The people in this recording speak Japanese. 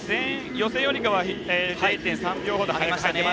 予選よりかは０．３秒ほど入りましたね。